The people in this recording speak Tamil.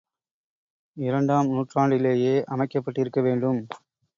இரண்டாம் நூற்றாண்டிலேயே அமைக்கப்பட்டிருக்க வேண்டும்.